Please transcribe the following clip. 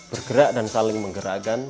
bergerak dan saling menggerakkan